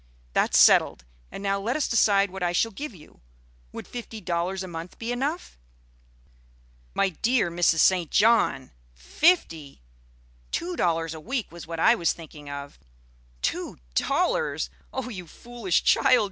That's settled; and now let us decide what I shall give you. Would fifty dollars a month be enough?" "My dear Mrs. St. John! Fifty! Two dollars a week was what I was thinking of." "Two dollars! oh, you foolish child!